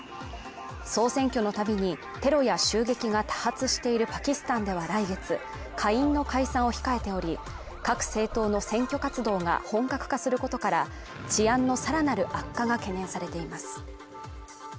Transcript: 総選挙のたびにテロや襲撃が多発しているパキスタンでは来月下院の解散を控えており各政党の選挙活動が本格化することから治安のさらなる悪化が懸念されています